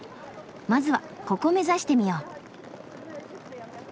まずはここ目指してみよう。